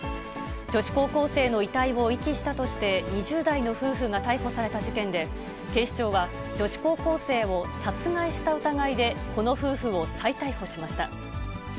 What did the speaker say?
女子高校生の遺体を遺棄したとして、２０代の夫婦が逮捕された事件で、警視庁は、女子高校生を殺害した疑いで、この夫婦を再逮捕しました。